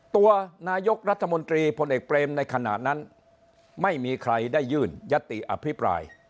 ตัวนายกรัฐมนตรีพลเอกเปรมในขณะนั้นไม่มีใครได้ยื่นยติอภิปราย